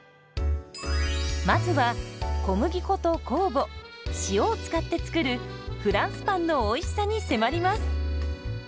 まずは小麦粉と酵母塩を使って作るフランスパンのおいしさに迫ります。